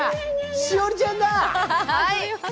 栞里ちゃんだ！